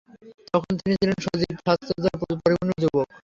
তখন তিনি ছিলেন সজীব স্বাস্থ্যোজ্জ্বল পরিপূর্ণ যুবক।